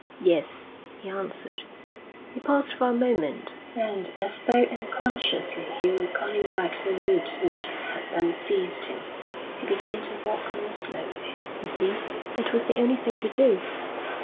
'Yes,' he answered. He paused for a moment, and, as though unconsciously he were calling back the mood which had then seized him, he began to walk more slowly. 'You see, it was the only thing to do.